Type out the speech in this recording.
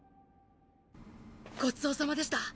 ごちそうさまでした。